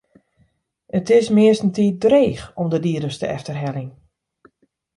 It is meastentiids dreech om de dieders te efterheljen.